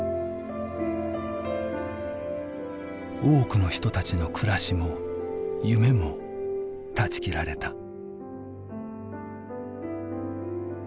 多くの人たちの暮らしも夢も断ち切られた。